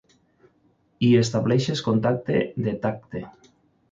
Hi estableixes contacte de tacte.